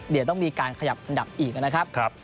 เดี๋ยวต้องมีการขยับอันดับอีกนะครับ